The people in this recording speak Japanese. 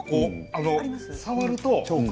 触ると。